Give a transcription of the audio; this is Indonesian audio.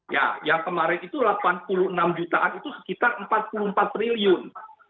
ya yang kemarin itu delapan puluh enam jutaan itu sekitar empat puluh empat triliun